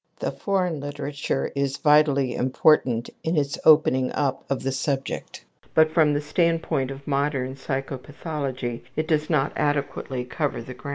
The foreign literature is vitally important in its opening up of the subject, but from the standpoint of modern psychopathology it does not adequately cover the ground.